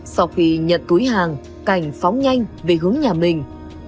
sau khi nhận túi hàng cảnh phóng nhanh về hướng nhà mình